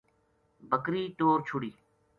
بکر ی ٹور چھُڑی